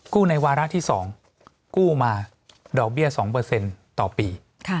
ในวาระที่๒กู้มาดอกเบี้ย๒ต่อปี